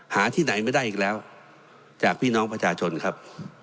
ที่ไหนไม่ได้อีกแล้วจากพี่น้องประชาชนครับ